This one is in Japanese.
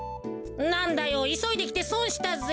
なんだよいそいできてそんしたぜ。